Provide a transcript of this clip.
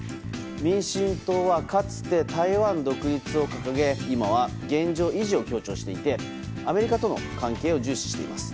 民進党はかつて台湾独立を掲げ今は現状維持を強調していてアメリカとの関係を重視しています。